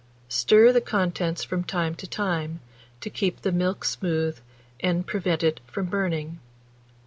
Stir the contents from time to time, to keep the milk smooth and prevent it from burning.